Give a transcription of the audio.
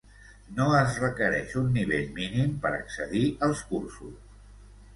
No es requereix un nivell mínim per accedir als cursos.